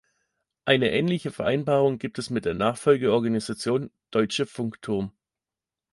Eine ähnliche Vereinbarung gibt es mit der Nachfolgeorganisation Deutsche Funkturm.